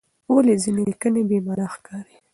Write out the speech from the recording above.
ولې ځینې لیکنې بې معنی ښکاري؟